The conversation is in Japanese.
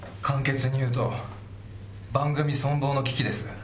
簡潔に言うと番組存亡の危機です。